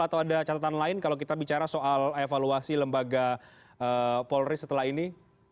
atau ada catatan lain kalau kita bicara soal evaluasi lembaga polri setelah ini